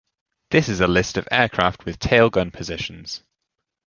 This is a list of aircraft with tail gun positions.